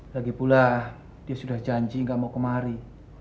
lagipula dia sudah janji gak mau kemari